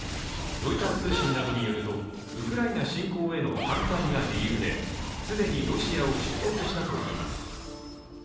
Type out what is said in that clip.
ロイター通信などによると、ウクライナ侵攻への反対が理由で、既にロシアを出国したといいます。